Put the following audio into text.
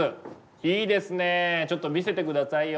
いいですねちょっと見せて下さいよ。